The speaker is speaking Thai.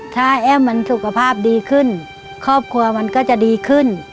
ถ้าแอ้มมันสุขภาพดีขึ้นครอบครัวมันก็จะดีขึ้น